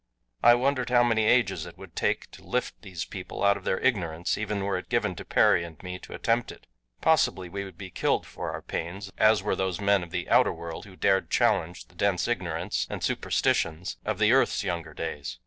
I wondered how many ages it would take to lift these people out of their ignorance even were it given to Perry and me to attempt it. Possibly we would be killed for our pains as were those men of the outer world who dared challenge the dense ignorance and superstitions of the earth's younger days.